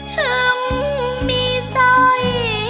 ทั้งมีสอย